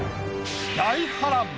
大波乱！